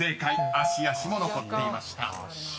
［「芦屋市」も残っていました］